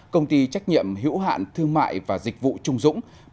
công ty trách nhiệm hữu hạn thương mại và dịch vụ trung dũng